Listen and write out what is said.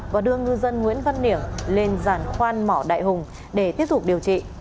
và đưa ngư dân nguyễn văn nể lên giàn khoan mỏ đại hùng để tiếp tục điều trị